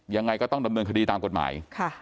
ยังไงก็ต้องดำเนินคดีตามกฎหมาย